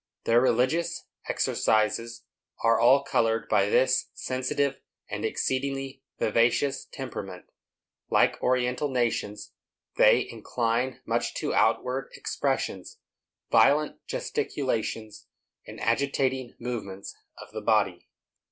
Their religious exercises are all colored by this sensitive and exceedingly vivacious temperament. Like oriental nations, they incline much to outward expressions, violent gesticulations, and agitating movements of the body.